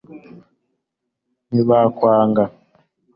ntibakwanga